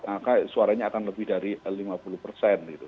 maka suaranya akan lebih dari lima puluh persen gitu